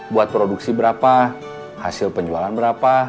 buat produksi berapa hasil penjualan berapa